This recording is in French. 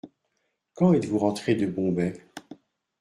Quand êtes-vous rentré de Bombay ?